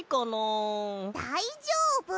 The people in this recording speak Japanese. だいじょうぶ！